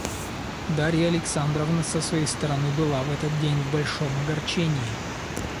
Дарья Александровна с своей стороны была в этот день в большом огорчении.